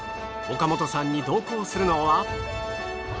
岡本さんに同行するのは。